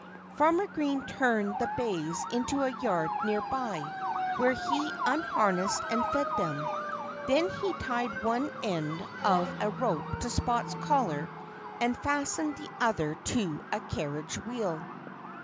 Farmer Green turned the bays into a yard near by, where he unharnessed and fed them. Then he tied one end of a rope to Spot's collar and fastened the other end to a carriage wheel.